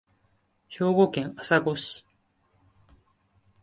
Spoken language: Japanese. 兵庫県朝来市